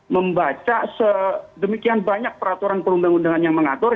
membaca sedemikian banyak peraturan perundang undangan yang mengatur